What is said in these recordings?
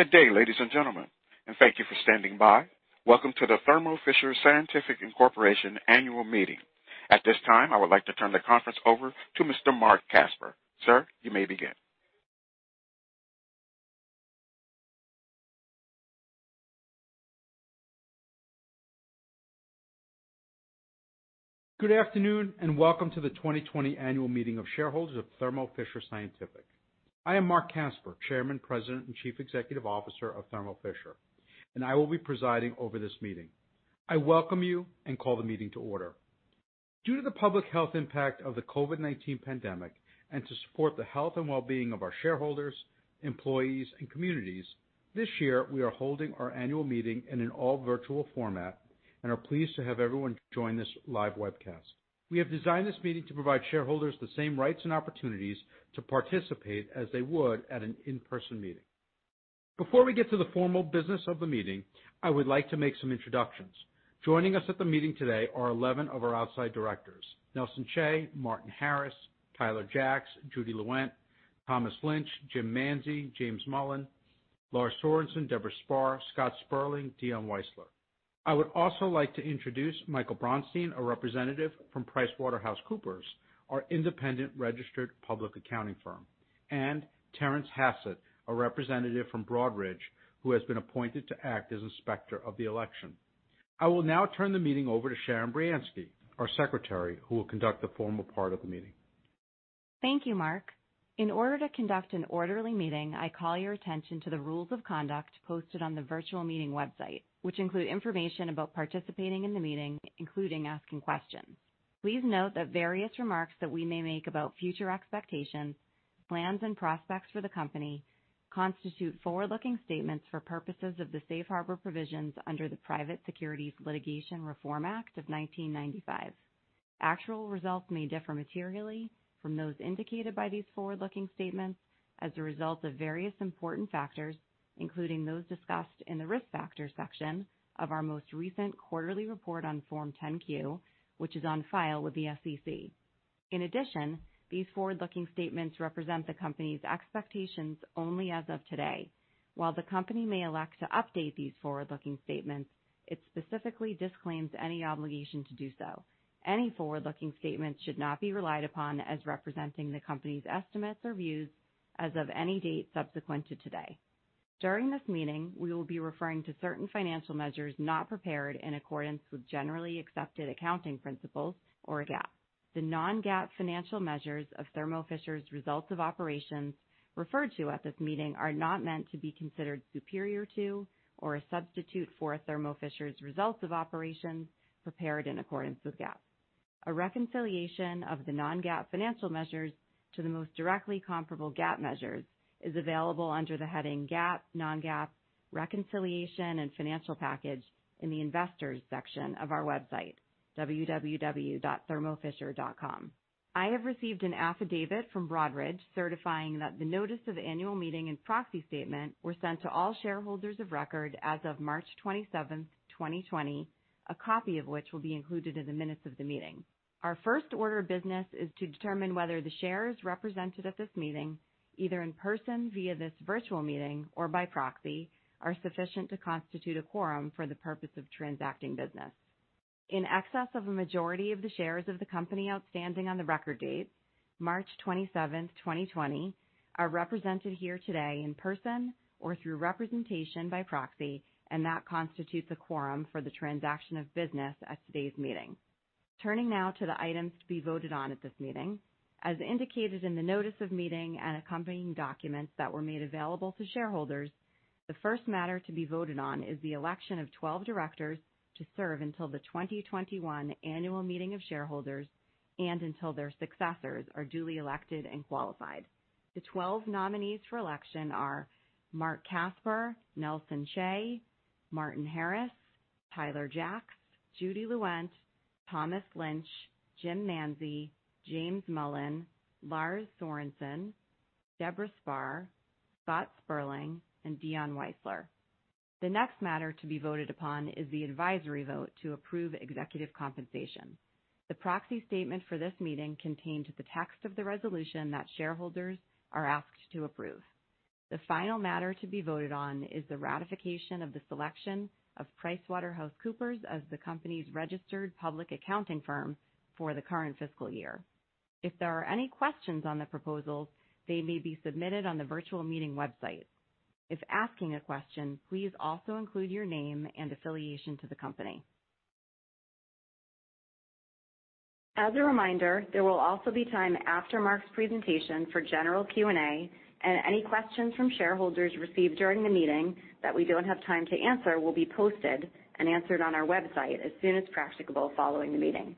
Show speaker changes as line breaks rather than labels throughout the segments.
Good day, ladies and gentlemen. Thank you for standing by. Welcome to the Thermo Fisher Scientific Inc. annual meeting. At this time, I would like to turn the conference over to Mr. Marc Casper. Sir, you may begin.
Good afternoon, and welcome to the 2020 annual meeting of shareholders of Thermo Fisher Scientific. I am Marc Casper, Chairman, President, and Chief Executive Officer of Thermo Fisher, and I will be presiding over this meeting. I welcome you and call the meeting to order. Due to the public health impact of the COVID-19 pandemic and to support the health and wellbeing of our shareholders, employees, and communities, this year, we are holding our annual meeting in an all-virtual format and are pleased to have everyone join this live webcast. We have designed this meeting to provide shareholders the same rights and opportunities to participate as they would at an in-person meeting. Before we get to the formal business of the meeting, I would like to make some introductions. Joining us at the meeting today are 11 of our outside directors, Nelson Chai, Martin Harris, Tyler Jacks, Judy Lewent, Thomas Lynch, Jim Manzi, James Mullen, Lars Sorensen, Debora Spar, Scott Sperling, Dion Weisler. I would also like to introduce Michael Bronstein, a representative from PricewaterhouseCoopers, our independent registered public accounting firm, and Terrence Hassett, a representative from Broadridge, who has been appointed to act as inspector of the election. I will now turn the meeting over to Sharon Brianski, our secretary, who will conduct the formal part of the meeting.
Thank you, Marc. In order to conduct an orderly meeting, I call your attention to the rules of conduct posted on the virtual meeting website, which include information about participating in the meeting, including asking questions. Please note that various remarks that we may make about future expectations, plans, and prospects for the company constitute forward-looking statements for purposes of the safe harbor provisions under the Private Securities Litigation Reform Act of 1995. Actual results may differ materially from those indicated by these forward-looking statements as a result of various important factors, including those discussed in the Risk Factors section of our most recent quarterly report on Form 10-Q, which is on file with the SEC. In addition, these forward-looking statements represent the company's expectations only as of today. While the company may elect to update these forward-looking statements, it specifically disclaims any obligation to do so. Any forward-looking statements should not be relied upon as representing the company's estimates or views as of any date subsequent to today. During this meeting, we will be referring to certain financial measures not prepared in accordance with generally accepted accounting principles, or GAAP. The non-GAAP financial measures of Thermo Fisher's results of operations referred to at this meeting are not meant to be considered superior to or a substitute for Thermo Fisher's results of operations prepared in accordance with GAAP. A reconciliation of the non-GAAP financial measures to the most directly comparable GAAP measures is available under the heading GAAP, non-GAAP, reconciliation, and financial package in the Investors section of our website, www.thermofisher.com. I have received an affidavit from Broadridge certifying that the notice of annual meeting and proxy statement were sent to all shareholders of record as of March 27th, 2020, a copy of which will be included in the minutes of the meeting. Our first order of business is to determine whether the shares represented at this meeting, either in person via this virtual meeting or by proxy, are sufficient to constitute a quorum for the purpose of transacting business. In excess of a majority of the shares of the company outstanding on the record date, March 27th, 2020, are represented here today in person or through representation by proxy, and that constitutes a quorum for the transaction of business at today's meeting. Turning now to the items to be voted on at this meeting. As indicated in the notice of meeting and accompanying documents that were made available to shareholders, the first matter to be voted on is the election of 12 directors to serve until the 2021 annual meeting of shareholders and until their successors are duly elected and qualified. The 12 nominees for election are Marc Casper, Nelson Chai, Martin Harris, Tyler Jacks, Judy Lewent, Thomas Lynch, Jim Manzi, James Mullen, Lars Sorensen, Debora Spar, Scott Sperling, and Dion Weisler. The next matter to be voted upon is the advisory vote to approve executive compensation. The proxy statement for this meeting contained the text of the resolution that shareholders are asked to approve. The final matter to be voted on is the ratification of the selection of PricewaterhouseCoopers as the company's registered public accounting firm for the current fiscal year. If there are any questions on the proposals, they may be submitted on the virtual meeting website. If asking a question, please also include your name and affiliation to the company. As a reminder, there will also be time after Marc's presentation for general Q&A, and any questions from shareholders received during the meeting that we don't have time to answer will be posted and answered on our website as soon as practicable following the meeting.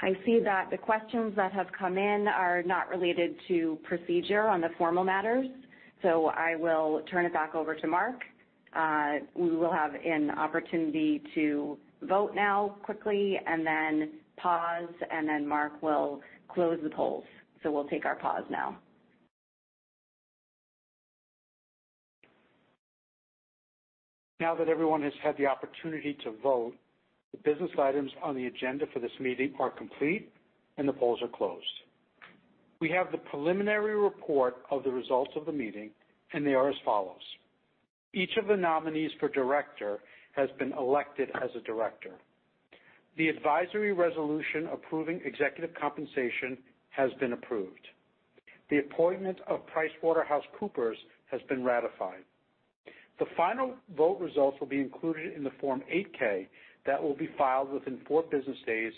I see that the questions that have come in are not related to procedure on the formal matters, I will turn it back over to Marc. We will have an opportunity to vote now quickly and then pause, and then Marc will close the polls. We'll take our pause now.
Now that everyone has had the opportunity to vote, the business items on the agenda for this meeting are complete, and the polls are closed. We have the preliminary report of the results of the meeting, and they are as follows. Each of the nominees for director has been elected as a director. The advisory resolution approving executive compensation has been approved. The appointment of PricewaterhouseCoopers has been ratified. The final vote results will be included in the Form 8-K that will be filed within four business days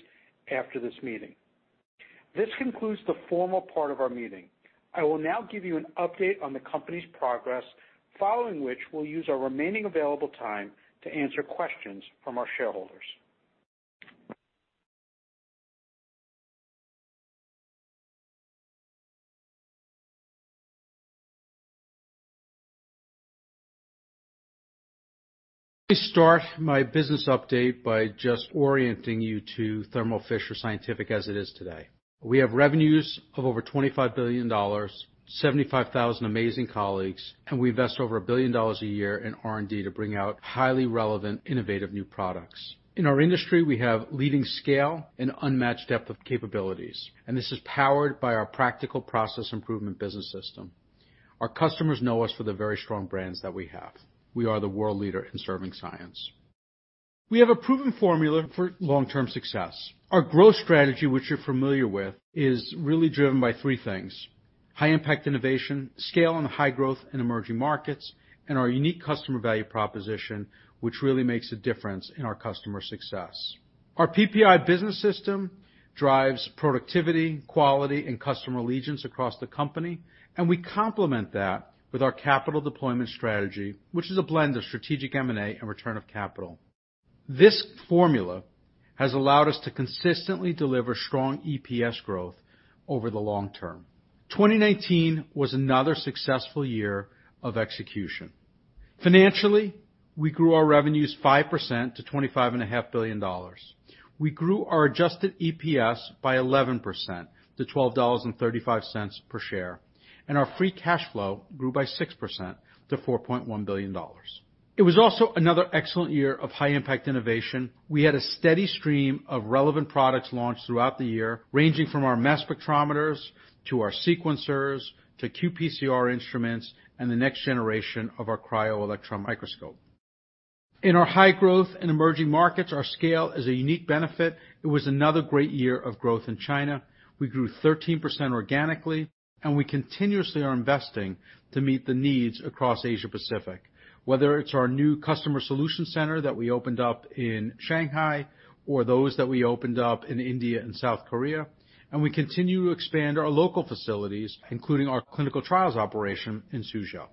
after this meeting. This concludes the formal part of our meeting. I will now give you an update on the company's progress, following which we'll use our remaining available time to answer questions from our shareholders. Let me start my business update by just orienting you to Thermo Fisher Scientific as it is today. We have revenues of over $25 billion, 75,000 amazing colleagues, and we invest over $1 billion a year in R&D to bring out highly relevant, innovative new products. In our industry, we have leading scale and unmatched depth of capabilities, and this is powered by our Practical Process Improvement business system. Our customers know us for the very strong brands that we have. We are the world leader in serving science. We have a proven formula for long-term success. Our growth strategy, which you're familiar with, is really driven by three things: high-impact innovation, scale, and high growth in emerging markets, and our unique customer value proposition, which really makes a difference in our customer success. Our PPI business system drives productivity, quality, and customer allegiance across the company, and we complement that with our capital deployment strategy, which is a blend of strategic M&A and return of capital. This formula has allowed us to consistently deliver strong EPS growth over the long term. 2019 was another successful year of execution. Financially, we grew our revenues 5% to $25.5 billion. We grew our adjusted EPS by 11% to $12.35 per share, and our free cash flow grew by 6% to $4.1 billion. It was also another excellent year of high-impact innovation. We had a steady stream of relevant products launched throughout the year, ranging from our mass spectrometers to our sequencers, to qPCR instruments, and the next generation of our cryo-electron microscope. In our high growth and emerging markets, our scale is a unique benefit. It was another great year of growth in China. We grew 13% organically. We continuously are investing to meet the needs across Asia-Pacific, whether it's our new customer solution center that we opened up in Shanghai, or those that we opened up in India and South Korea. We continue to expand our local facilities, including our clinical trials operation in Suzhou.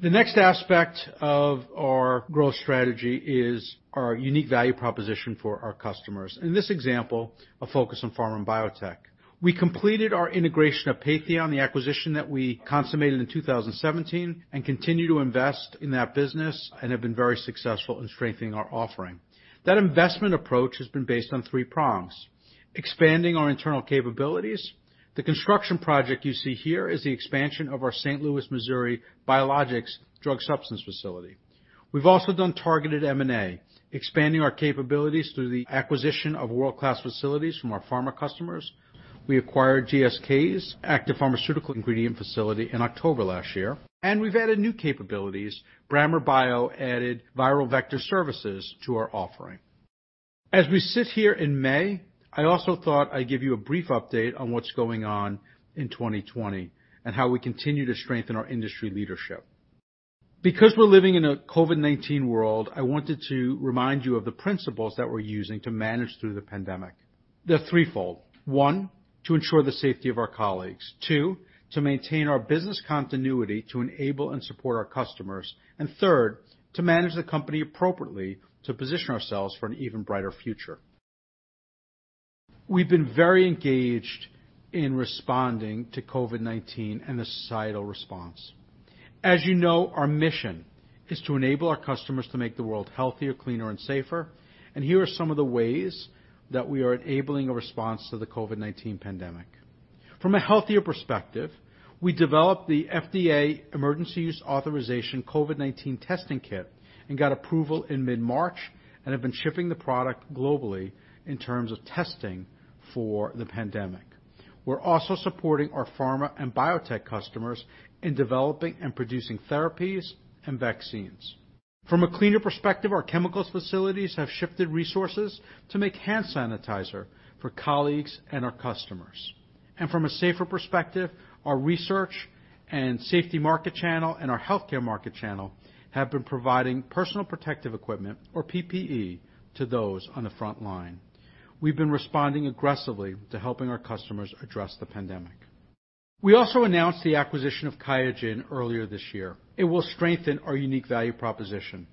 The next aspect of our growth strategy is our unique value proposition for our customers. In this example, a focus on pharma and biotech. We completed our integration of Patheon, the acquisition that we consummated in 2017. We continue to invest in that business and have been very successful in strengthening our offering. That investment approach has been based on three prongs. Expanding our internal capabilities. The construction project you see here is the expansion of our St. Louis, Missouri biologics drug substance facility. We've also done targeted M&A, expanding our capabilities through the acquisition of world-class facilities from our pharma customers. We acquired GSK's active pharmaceutical ingredient facility in October last year, and we've added new capabilities. Brammer Bio added viral vector services to our offering. As we sit here in May, I also thought I'd give you a brief update on what's going on in 2020, and how we continue to strengthen our industry leadership. Because we're living in a COVID-19 world, I wanted to remind you of the principles that we're using to manage through the pandemic. They're threefold. One, to ensure the safety of our colleagues. Two, to maintain our business continuity to enable and support our customers. Third, to manage the company appropriately to position ourselves for an even brighter future. We've been very engaged in responding to COVID-19 and the societal response. As you know, our mission is to enable our customers to make the world healthier, cleaner, and safer. Here are some of the ways that we are enabling a response to the COVID-19 pandemic. From a healthier perspective, we developed the FDA Emergency Use Authorization COVID-19 testing kit and got approval in mid-March, and have been shipping the product globally in terms of testing for the pandemic. We're also supporting our pharma and biotech customers in developing and producing therapies and vaccines. From a cleaner perspective, our chemicals facilities have shifted resources to make hand sanitizer for colleagues and our customers. From a safer perspective, our research and safety market channel and our healthcare market channel have been providing personal protective equipment, or PPE, to those on the front line. We've been responding aggressively to helping our customers address the pandemic. We also announced the acquisition of QIAGEN earlier this year. It will strengthen our unique value proposition.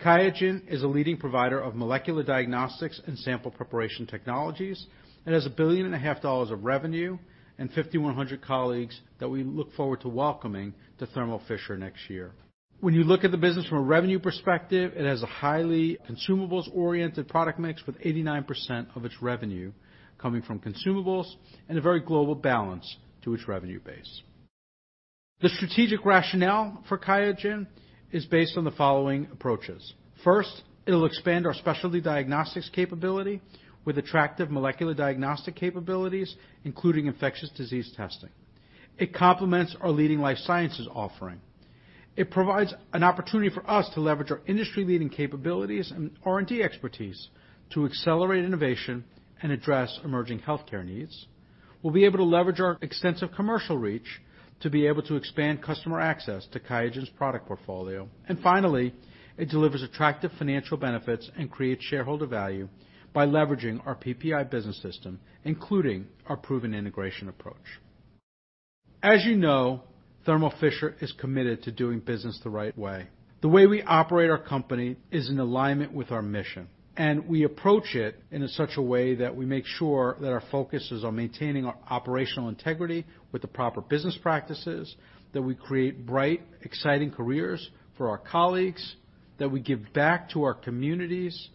QIAGEN is a leading provider of molecular diagnostics and sample preparation technologies. It has $1.5 billion of revenue and 5,100 colleagues that we look forward to welcoming to Thermo Fisher next year. When you look at the business from a revenue perspective, it has a highly consumables-oriented product mix, with 89% of its revenue coming from consumables, and a very global balance to its revenue base. The strategic rationale for QIAGEN is based on the following approaches. First, it'll expand our specialty diagnostics capability with attractive molecular diagnostic capabilities, including infectious disease testing. It complements our leading life sciences offering. It provides an opportunity for us to leverage our industry-leading capabilities and R&D expertise to accelerate innovation and address emerging healthcare needs. We'll be able to leverage our extensive commercial reach to be able to expand customer access to QIAGEN's product portfolio. Finally, it delivers attractive financial benefits and creates shareholder value by leveraging our PPI business system, including our proven integration approach. As you know, Thermo Fisher is committed to doing business the right way. The way we operate our company is in alignment with our mission, and we approach it in such a way that we make sure that our focus is on maintaining our operational integrity with the proper business practices, that we create bright, exciting careers for our colleagues, that we give back to our communities,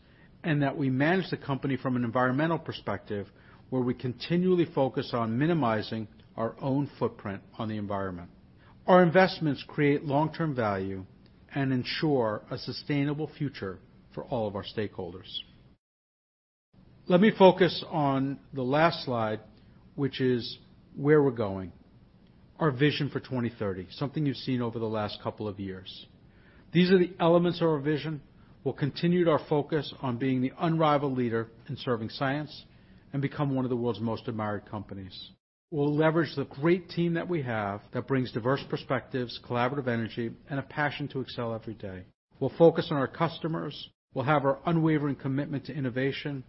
and that we manage the company from an environmental perspective, where we continually focus on minimizing our own footprint on the environment. Our investments create long-term value and ensure a sustainable future for all of our stakeholders. Let me focus on the last slide, which is where we're going, our vision for 2030, something you've seen over the last couple of years. These are the elements of our vision. We'll continue to our focus on being the unrivaled leader in serving science and become one of the world's most admired companies. We'll leverage the great team that we have that brings diverse perspectives, collaborative energy, and a passion to excel every day. We'll focus on our customers, we'll have our unwavering commitment to innovation,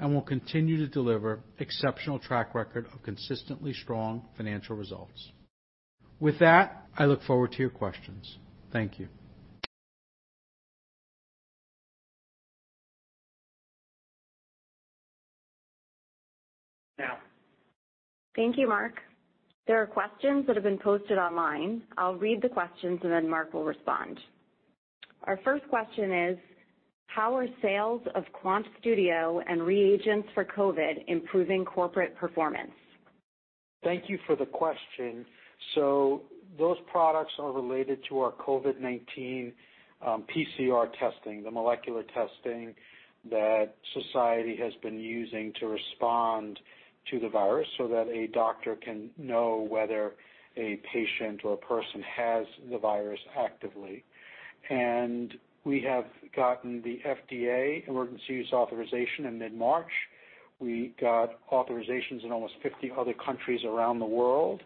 and we'll continue to deliver exceptional track record of consistently strong financial results. With that, I look forward to your questions. Thank you.
Now.
Thank you, Marc. There are questions that have been posted online. I'll read the questions, and then Marc will respond. Our first question is: how are sales of QuantStudio and reagents for COVID improving corporate performance?
Thank you for the question. Those products are related to our COVID-19 PCR testing, the molecular testing that society has been using to respond to the virus so that a doctor can know whether a patient or a person has the virus actively. We have gotten the FDA Emergency Use Authorization in mid-March. We got authorizations in almost 50 other countries around the world,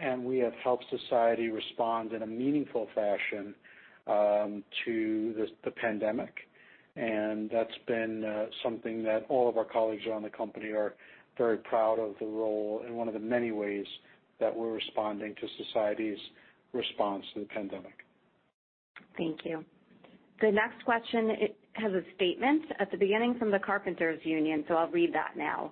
and we have helped society respond in a meaningful fashion to the pandemic. That's been something that all of our colleagues around the company are very proud of the role in one of the many ways that we're responding to society's response to the pandemic.
Thank you. The next question has a statement at the beginning from the Carpenters Union, so I'll read that now.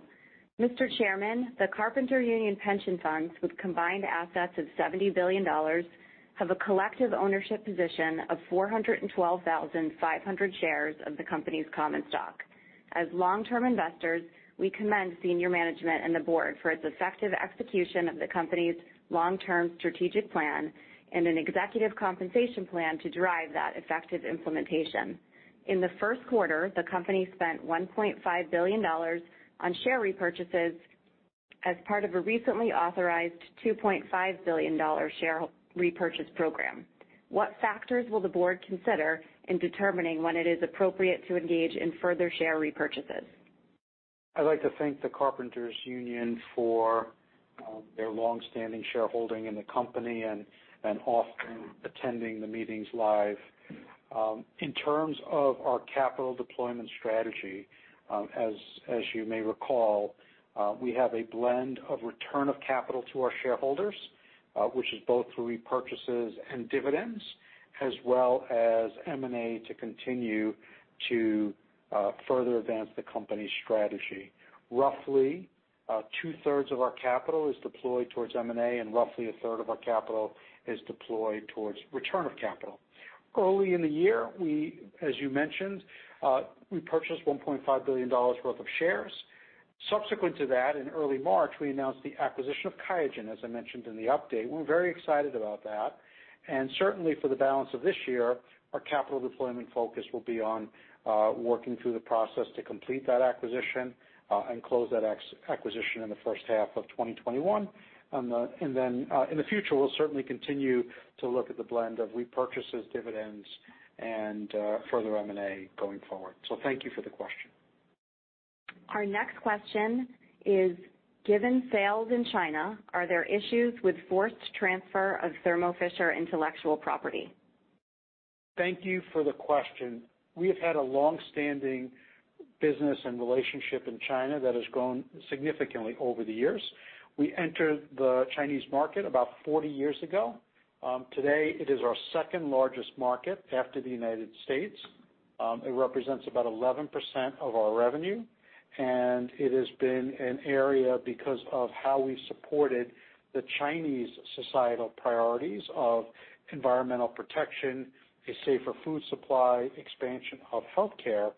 "Mr. Chairman, the Carpenters Union pension funds, with combined assets of $70 billion, have a collective ownership position of 412,500 shares of the company's common stock. As long-term investors, we commend senior management and the board for its effective execution of the company's long-term strategic plan and an executive compensation plan to drive that effective implementation. In the first quarter, the company spent $1.5 billion on share repurchases as part of a recently authorized $2.5 billion share repurchase program. What factors will the board consider in determining when it is appropriate to engage in further share repurchases?
I'd like to thank the Carpenters Union for their longstanding shareholding in the company and often attending the meetings live. In terms of our capital deployment strategy, as you may recall, we have a blend of return of capital to our shareholders, which is both through repurchases and dividends, as well as M&A to continue to further advance the company's strategy. Roughly two-thirds of our capital is deployed towards M&A, and roughly a third of our capital is deployed towards return of capital. Early in the year, as you mentioned, we purchased $1.5 billion worth of shares. Subsequent to that, in early March, we announced the acquisition of QIAGEN, as I mentioned in the update. We're very excited about that. Certainly, for the balance of this year, our capital deployment focus will be on working through the process to complete that acquisition, and close that acquisition in the first half of 2021. In the future, we'll certainly continue to look at the blend of repurchases, dividends, and further M&A going forward. Thank you for the question.
Our next question is: given sales in China, are there issues with forced transfer of Thermo Fisher intellectual property?
Thank you for the question. We have had a longstanding business and relationship in China that has grown significantly over the years. We entered the Chinese market about 40 years ago. Today, it is our second largest market after the United States. It represents about 11% of our revenue, and it has been an area because of how we supported the Chinese societal priorities of environmental protection, a safer food supply, expansion of healthcare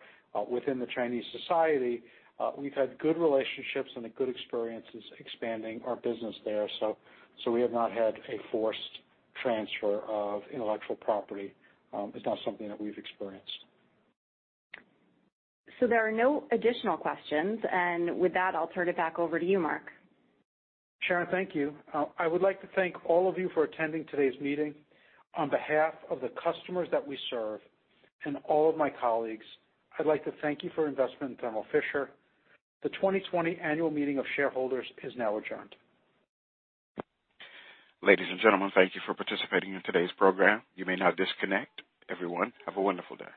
within the Chinese society. We've had good relationships and good experiences expanding our business there. We have not had a forced transfer of intellectual property. It's not something that we've experienced.
There are no additional questions. With that, I'll turn it back over to you, Marc.
Sharon, thank you. I would like to thank all of you for attending today's meeting. On behalf of the customers that we serve and all of my colleagues, I'd like to thank you for investment in Thermo Fisher. The 2020 annual meeting of shareholders is now adjourned.
Ladies and gentlemen, thank you for participating in today's program. You may now disconnect. Everyone, have a wonderful day.